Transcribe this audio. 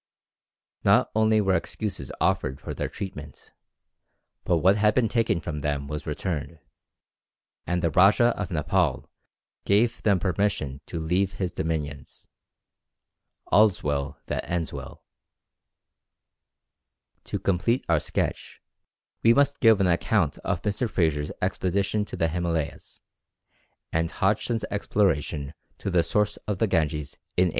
Not only were excuses offered for their treatment, but what had been taken from them was returned, and the Rajah of Nepaul gave them permission to leave his dominions. All's well that ends well! To complete our sketch, we must give an account of Mr. Fraser's expedition to the Himalayas, and Hodgson's exploration to the source of the Ganges, in 1817.